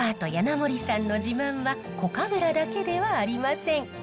守さんの自慢はコカブラだけではありません。